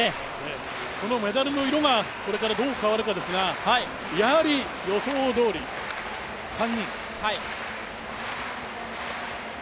このメダルの色がこれからどう変わるかですがやはり予想どおり、３人。